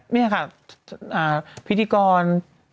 นี่ค่ะพิธีกร